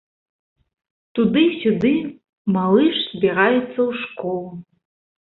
Туды-сюды, малыш збіраецца ў школу.